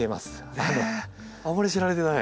あまり知られてない。